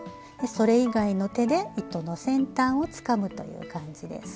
それ以外の手で糸の先端をつかむという感じです。